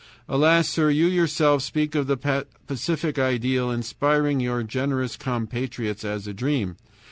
"Alas! sir, you yourself speak of the pacific ideal inspiring your generous compatriots as a dream.